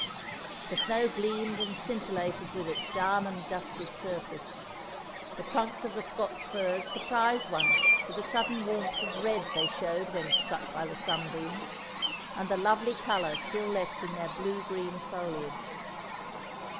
The snow gleamed and scintillated with its diamond dusted surface; the trunks of the Scots firs surprised one with the sudden warmth of red they showed when struck by the sunbeams, and the lovely colour still left in their blue green foliage.